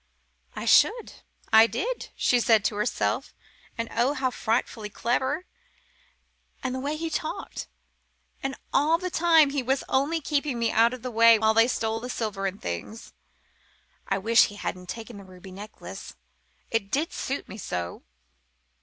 "I should. I did," she said to herself. "And, oh, how frightfully clever! And the way he talked! And all the time he was only keeping me out of the way while they stole the silver and things. I wish he hadn't taken the ruby necklace: it does suit me so.